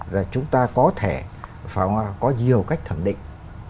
rồi chúng ta có thể phải có nhiều cách thẩm định